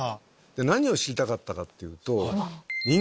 何を知りたかったかというと。